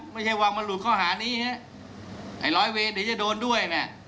ไม่ใช่ว่ามันหลุดข้อหานี้ฮะไอ้ร้อยเวรเดี๋ยวจะโดนด้วยนะ